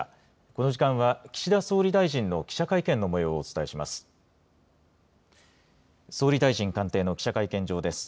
この時間は、岸田総理大臣の記者会見のもようをお伝えします。